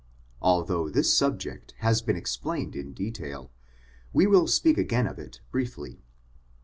Although this subject has been explained in detail, we will speak of it again briefly.